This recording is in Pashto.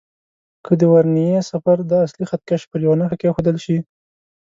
که د ورنيې صفر د اصلي خط کش پر یوه نښه کېښودل شي.